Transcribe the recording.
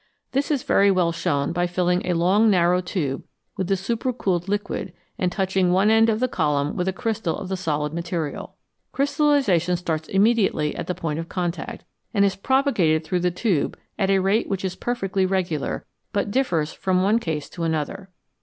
This is very well shown by filling a long, narrow tube with the supercooled liquid and touching one end of the column with a crystal of the solid material. Crystallisation starts immediately at the point of contact, and is propagated through the tube at a rate which is perfectly regular, but differs from one case to another.